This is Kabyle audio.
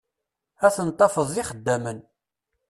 Ad ten-tafeḍ d ixeddamen.